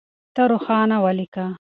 ته روښانه وليکه.